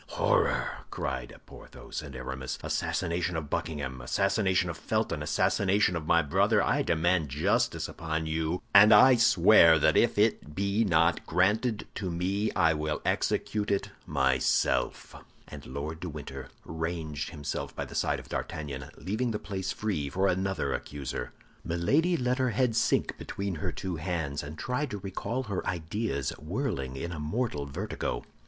"Horror!" cried Porthos and Aramis. "Assassin of Buckingham, assassin of Felton, assassin of my brother, I demand justice upon you, and I swear that if it be not granted to me, I will execute it myself." And Lord de Winter ranged himself by the side of D'Artagnan, leaving the place free for another accuser. Milady let her head sink between her two hands, and tried to recall her ideas, whirling in a mortal vertigo.